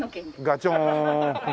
ガチョン！